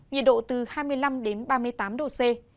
nhiệt độ từ hai mươi năm đến ba mươi tám độ c